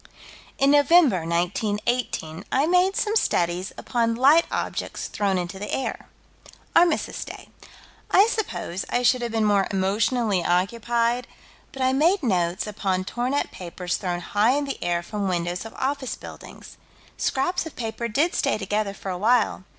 In November, 1918, I made some studies upon light objects thrown into the air. Armistice day. I suppose I should have been more emotionally occupied, but I made notes upon torn up papers thrown high in the air from windows of office buildings. Scraps of paper did stay together for a while.